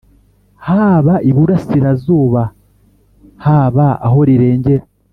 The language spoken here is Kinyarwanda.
haba iburasira-zuba haba aho rirengera